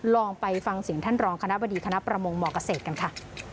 ลองไปฟังเสียงท่านรองคณะบดีคณะประมงมเกษตรกันค่ะ